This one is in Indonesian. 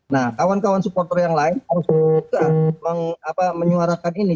nah kawan kawan supporter yang lain harus menyuarakan ini